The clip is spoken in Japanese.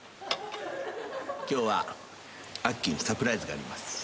今日はあっきーにサプライズがあります。